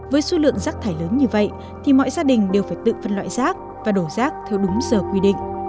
với số lượng rác thải lớn như vậy thì mọi gia đình đều phải tự phân loại rác và đổ rác theo đúng giờ quy định